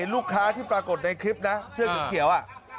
ลูกค้าที่ปรากฏในคลิปนะเสื้อเขียว